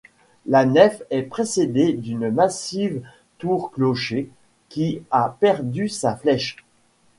La nef est précédée d'une massive tour-clocher qui a perdu sa flèche.